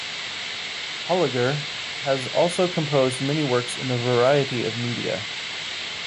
Holliger has also composed many works in a variety of media.